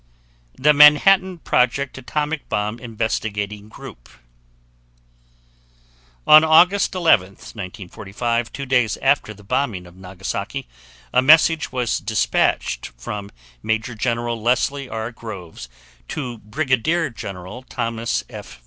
THE MANHATTAN PROJECT ATOMIC BOMB INVESTIGATING GROUP On August 11th, 1945, two days after the bombing of Nagasaki, a message was dispatched from Major General Leslie R. Groves to Brigadier General Thomas F.